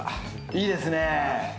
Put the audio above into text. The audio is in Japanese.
いいですね。